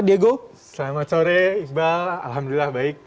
selamat sore isba alhamdulillah baik